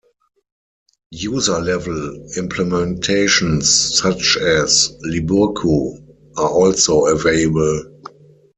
User-level implementations such as liburcu are also available.